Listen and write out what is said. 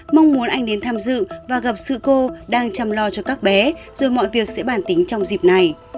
mong muốn anh đến tham dự và gặp sự cô đang chăm lo cho các bé rồi mọi việc sẽ bàn tính trong dịp này